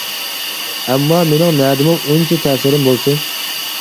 -ئەمما مېنىڭ نەدىمۇ ئۇنچە تەسىرىم بولسۇن!